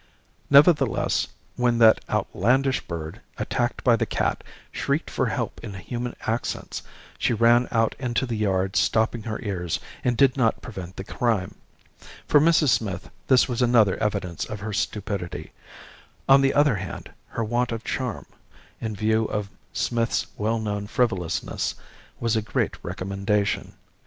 Nevertheless, when that outlandish bird, attacked by the cat, shrieked for help in human accents, she ran out into the yard stopping her ears, and did not prevent the crime. For Mrs. Smith this was another evidence of her stupidity; on the other hand, her want of charm, in view of Smith's well known frivolousness, was a great recommendation.